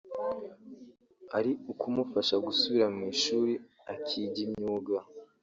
ari ukumufasha gusubira mu ishuri akiga imyuga